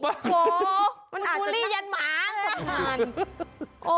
มันอาจเก่งกับหมา